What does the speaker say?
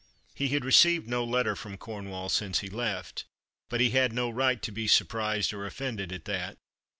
He had received no letter from Cornwall since he left ; but he had no right to be surprised or offended at that.